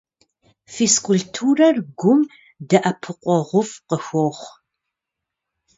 Физкультурэр гум дэӀэпыкъуэгъуфӀ къыхуохъу.